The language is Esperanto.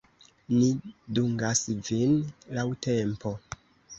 Ni dungas vin laŭ tempo.